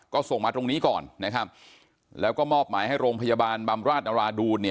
ก็ส่งมาตรงนี้ก่อนนะครับแล้วก็มอบหมายให้โรงพยาบาลบำราชนราดูล